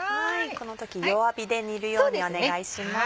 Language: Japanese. この時弱火で煮るようにお願いします。